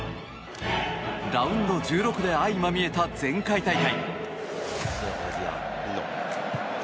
ラウンド１６で相まみえた前回大会。